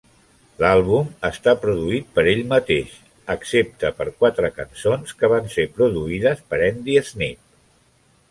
L"àlbum està produït per ell mateix, excepte per quatre cançons que van ser produïdes per Andy Sneap.